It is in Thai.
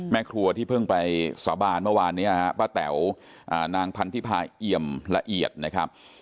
แม่ครัวที่เพิ่งไปสาบานเมื่อวานนี้ฮะป้าแต๋วนางพันธิพาเอี่ยมละเอียดนะครับ